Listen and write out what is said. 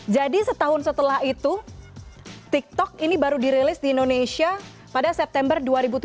jadi setahun setelah itu tiktok ini baru dirilis di indonesia pada september dua ribu tujuh belas